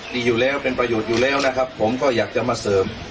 ดีอยู่แล้วเป็นประโยชน์อยู่แล้วนะครับผมก็อยากจะมาเสริม